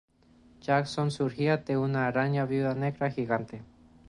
Jackson surgiría de una araña viuda negra gigante.